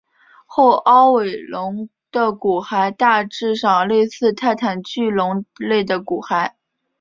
后凹尾龙的骨骸大致上类似泰坦巨龙类的骨骸。